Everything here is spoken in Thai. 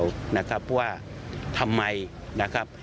เพราะว่าทำไมครับ